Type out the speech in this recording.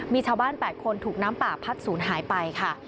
มีชาวบ้าน๘คนถูกน้ำป่าพัดศูนย์หายไปค่ะ